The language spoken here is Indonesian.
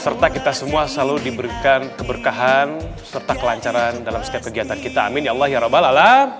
serta kita semua selalu diberikan keberkahan serta kelancaran dalam setiap kegiatan kita amin ya allah ya rabal ala